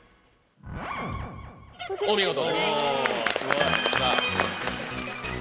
お見事。